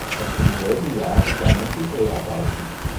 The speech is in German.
Noch im selben Jahr begannen die Dreharbeiten.